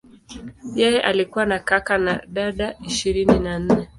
Yeye alikuwa na kaka na dada ishirini na nne.